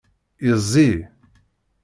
Yezzi.